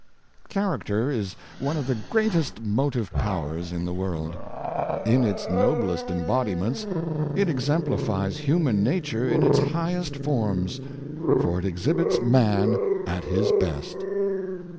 HARACTER is one of the greatest motive powers in the world. In its noblest embodi ments, it exemplifies human nature in its high est forms, for it exhibits man at his best.